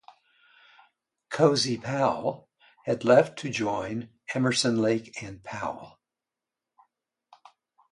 Cozy Powell had left to join Emerson, Lake and Powell.